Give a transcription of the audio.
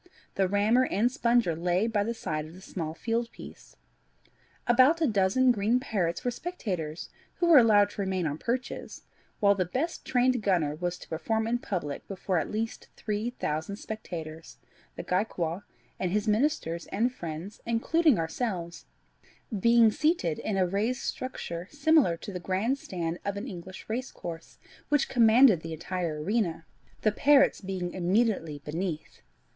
The rammer and sponger lay by the side of the small field piece. About a dozen green parrots were spectators, who were allowed to remain on perches, while the best trained gunner was to perform in public before at least three thousand spectators, the Gaekwar, and his ministers, and friends, including ourselves, being seated in a raised structure similar to the grand stand of an English racecourse, which commanded the entire arena, the parrots being immediately beneath.